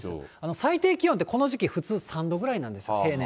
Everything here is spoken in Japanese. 最低気温って、この時期、普通、３度くらいなんです、平年。